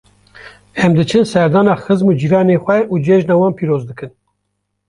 Em diçin serdana xizim û cîranên xwe û cejna wan pîroz dikin.